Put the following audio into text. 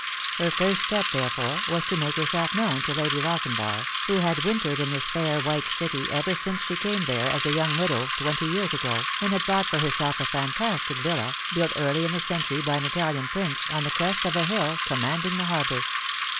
Her first step, therefore, was to make herself known to Lady Lochinvar, who had wintered in this fair white city ever since she came there as a young widow twenty years ago, and had bought for herself a fantastic villa, built early in the century by an Italian prince, on the crest of a hill commanding the harbour.